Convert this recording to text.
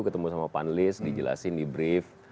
ketemu sama panelis dijelasin di brief